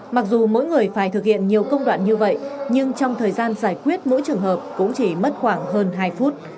mặc dù mỗi người phải thực hiện nhiều công đoạn như vậy nhưng trong thời gian giải quyết mỗi trường hợp cũng chỉ mất khoảng hơn hai phút